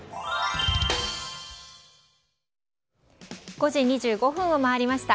５時２５分を回りました。